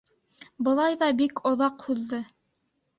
Былай ҙа бик оҙаҡ һуҙҙы.